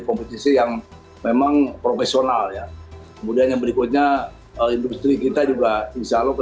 kompetisi yang memang profesional ya kemudian yang berikutnya industri kita juga insya allah ke